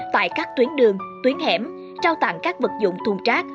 tại các tuyến đường tuyến hẻm trao tặng các vật dụng thùng trác